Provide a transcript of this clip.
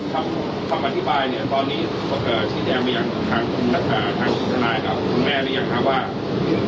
ครับคำอธิบายเนี่ยตอนนี้ก็เกิดชิดแอบมาอย่างกันทั้งนักศึกษาทางศิลป์ข้านายกับของคุณแม่รึยังครับว่า